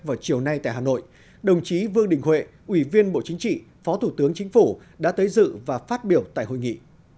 vào chiều nay tại hà nội đồng chí vương đình huệ ủy viên bộ chính trị phó thủ tướng chính phủ đã tới dự và phát biểu tại hội nghị